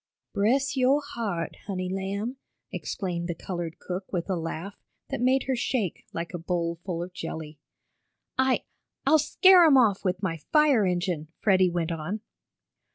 "Bress yo' heart, honey lamb!" exclaimed the colored cook with a laugh that made her shake "like a bowl full of jelly." "I I'll scare 'em off with my fire engine," Freddie went on.